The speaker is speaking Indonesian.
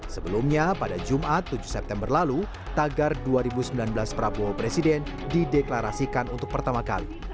sebelumnya pada jumat tujuh september lalu tagar dua ribu sembilan belas prabowo presiden dideklarasikan untuk pertama kali